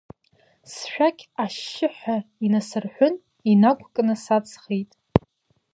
Сшәақь ашьшьыҳәа инасырҳәын, инақәкны саҵхеит.